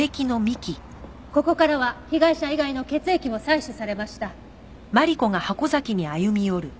ここからは被害者以外の血液も採取されました。